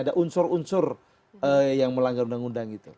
ada unsur unsur yang melanggar undang undang itu